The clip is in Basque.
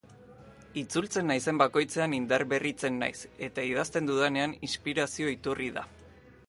Itzultzen naizen bakoitzean indarberritzen naiz eta idazten dudanean inspirazio iturri da.